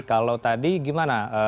kalau tadi gimana